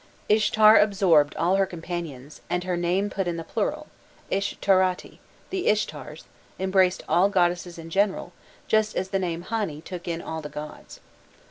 Ishtar absorbed all her companions, and her name put in the plural, Ishtarati, "the Ishtars," embraced all goddesses in general, just as the name Hani took in all the gods.